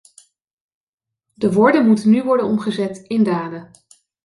De woorden moeten nu worden omgezet in daden.